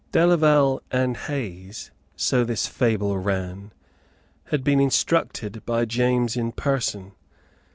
Delaval and Hayes so this fable ran had been instructed by James in person.